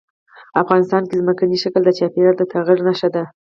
افغانستان کې ځمکنی شکل د چاپېریال د تغیر نښه ده.